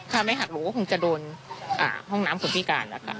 ถ้าไม่หักหนูก็คงจะโดนห้องน้ำคนพิการนะคะ